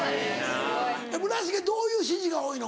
村重どういう指示が多いの？